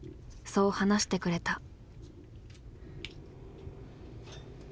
そう話してくれた。